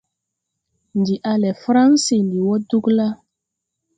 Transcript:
Ndi a le Fransi. Ndi wo Dugla.